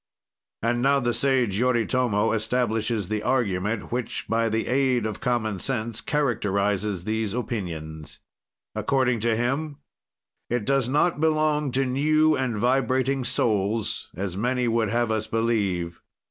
And now the sage, Yoritomo, establishes the argument which, by the aid of common sense, characterized these opinions. According to him, "It does not belong to new and vibrating souls, as many would have us believe.